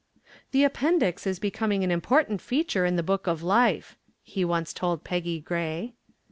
"The appendix is becoming an important feature in the Book of Life," he once told Peggy Gray.